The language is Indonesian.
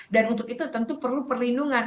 dan untuk itu tentu perlu perlindungan